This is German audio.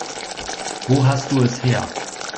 Wo hast du es her?